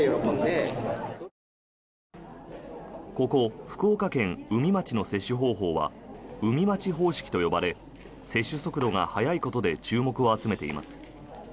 ここ、福岡県宇美町の接種方法は宇美町方式と呼ばれ接種速度が速いことで注目を集めています。